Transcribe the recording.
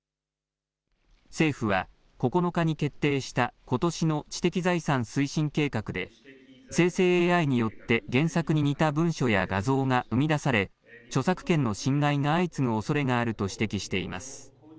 政府は９日に決定したことしの知的財産推進計画で生成ＡＩによって原作に似た文書や画像が生み出され著作権の侵害が相次ぐおそれがあると指摘しています。